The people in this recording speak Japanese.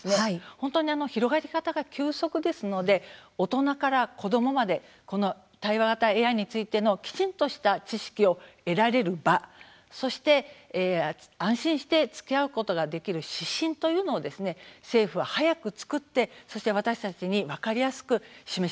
本当に広がり方が急速ですので大人から子どもまで対話型ＡＩについてのきちんとした知識を得られる場そして安心してつきあうことができる指針というのを政府は早く作ってそして私たちに分かりやすく示し